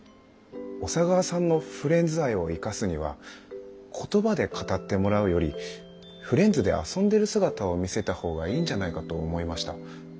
小佐川さんのフレンズ愛を生かすには言葉で語ってもらうよりフレンズで遊んでる姿を見せたほうがいいんじゃないかと思いました。